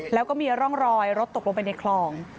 แล้วก็มีร่องรอยรถตกลงไปในคลอง